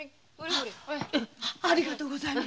ありがとうございます。